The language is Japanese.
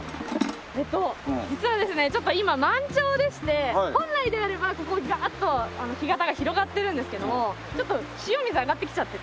えっと実はですねちょっと今満潮でして本来であればここガーッと干潟が広がってるんですけどもちょっと潮水上がってきちゃってて。